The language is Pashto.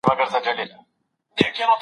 میراث او نفقه د ښځو لپاره ټاکل شول.